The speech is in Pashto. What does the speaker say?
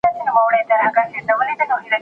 د ارغنداب سیند د کندهار د غرونو اوبه راټولوي.